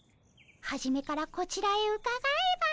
はじめからこちらへうかがえば。